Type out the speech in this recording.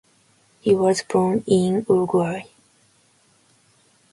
He was born in Uruguay.